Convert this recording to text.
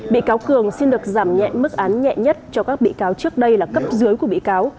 bị cáo cường xin được giảm nhẹ mức án nhẹ nhất cho các bị cáo trước đây là cấp dưới của bị cáo